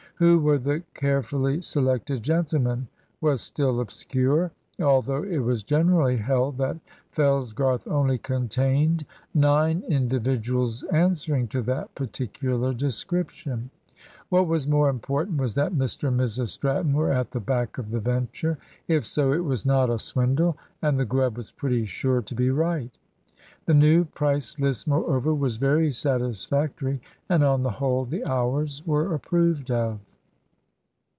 Who were the "carefully selected gentlemen" was still obscure, although it was generally held that Fellsgarth only contained nine individuals answering to that particular description. What was more important was that Mr and Mrs Stratton were at the back of the venture. If so, it was not a swindle, and the grub was pretty sure to be right. The new price list, moreover, was very satisfactory, and on the whole the hours were approved of.